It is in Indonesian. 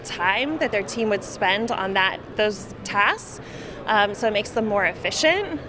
jadi itu membuat mereka lebih efisien